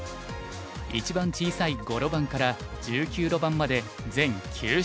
一番小さい５路盤から１９路盤まで全９種類。